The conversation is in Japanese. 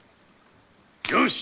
よし！